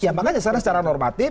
ya makanya secara normatif